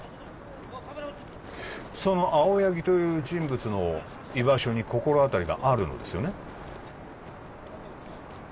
その青柳という人物の居場所に心当たりがあるのですよね？